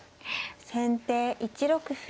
先手１六歩。